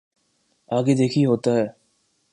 آگے دیکھئے ہوتا ہے۔